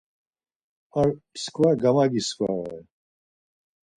Ar mskva gamagisvarare.